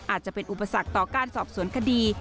อาจจะเป็นอุปสรรคต่อการสอบสวนคดี